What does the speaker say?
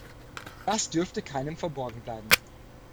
Das dürfte keinem verborgen bleiben.